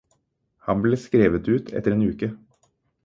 Han ble skrevet ut etter en uke.